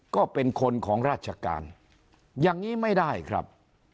ก็เป็นคนของราชการอย่างนี้ไม่ได้ครับ